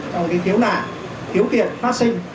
trong khiếu nạn khiếu kiện phát sinh